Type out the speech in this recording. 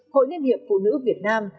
hội liên hiệp phụ nữ việt nam